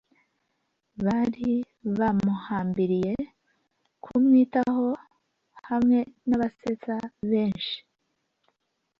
bari bamuhambiriye kumwitaho, hamwe nabasetsa benshi;